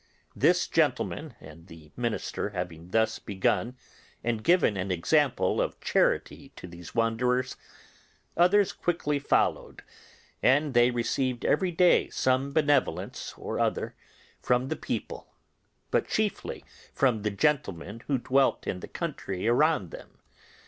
This gentleman and the minister having thus begun, and given an example of charity to these wanderers, others quickly followed, and they received every day some benevolence or other from the people, but chiefly from the gentlemen who dwelt in the country round them.